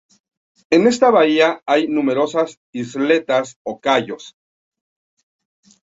En esta bahía hay numerosas isletas o cayos.